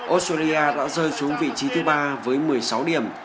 australia đã rơi xuống vị trí thứ ba với một mươi sáu điểm